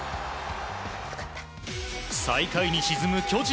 最下位に沈む巨人。